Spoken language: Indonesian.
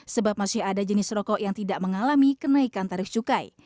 sebab masih ada jenis rokok yang tidak mengalami kenaikan tarif cukai